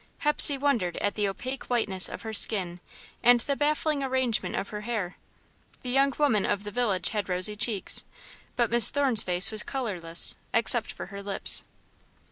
Hepsey wondered at the opaque whiteness of her skin and the baffling arrangement of her hair. The young women of the village had rosy cheeks, but Miss Thorne's face was colourless, except for her lips.